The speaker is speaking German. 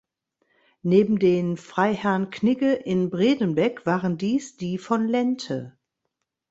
Neben den Freiherrn Knigge in Bredenbeck waren dies die von Lenthe.